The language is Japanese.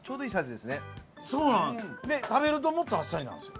で食べるともっとあっさりなんですよ。